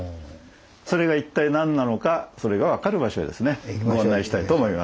それが一体何なのかそれが分かる場所へですねご案内したいと思います。